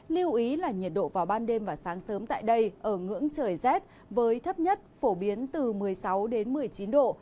lưu ý là nhiệt độ vào ban đêm và sáng sớm tại đây ở ngưỡng trời rét với thấp nhất phổ biến từ một mươi sáu đến một mươi chín độ